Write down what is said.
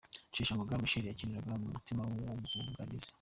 Rusheshangoga Michel yakinaga mu mutima w'ubwugarizi.